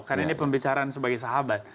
karena ini pembicaraan sebagai sahabat